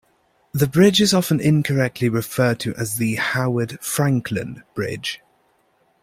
The bridge is often incorrectly referred to as the Howard "Franklin" Bridge.